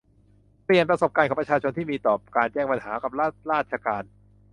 เปลี่ยนประสบการณ์ของประชาชนที่มีต่อการแจ้งปัญหากับรัฐราชการ